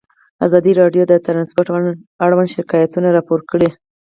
ازادي راډیو د ترانسپورټ اړوند شکایتونه راپور کړي.